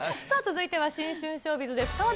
さあ続いては新春ショービズです。